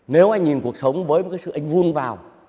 nếu anh nhìn cuộc sống với một cái sự anh vun vào